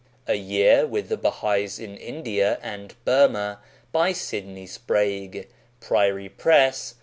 A year with the Bahais in India and Burma by Sydney Sprague. PRIORY PRESS.